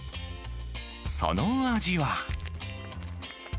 その味は。